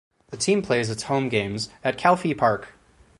The team plays its home games at Calfee Park.